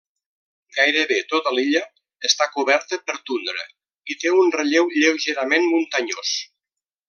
Gairebé tota l’illa està coberta per tundra i té un relleu lleugerament muntanyós.